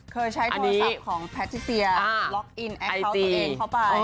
เคยใช้โทรศัพท์ของแพทิเซียล็อกอินแอคเคาน์ตัวเองเข้าไป